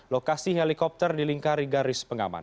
lokasi helikopter dilingkari garis pengaman